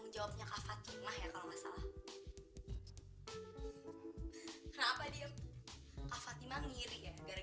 lebih banyakised buat saya bara harganya on tiga sampai crescia sih canggih merek makaending karena